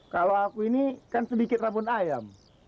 kalau aku ini kan sedikit rambut ayam